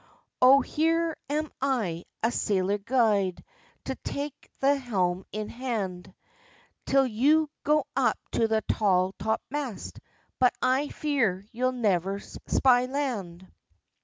"O here am I, a sailor gude, To take the helm in hand, Till you go up to the tall top mast But I fear you'll ne'er spy land."